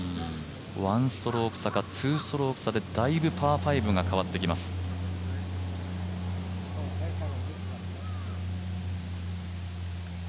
ワンストローク差かツーストローク差でだいぶパー５が変わってきます。